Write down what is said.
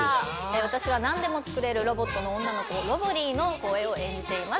私は何でも作れるロボットの女の子・ロボリィの声を演じています。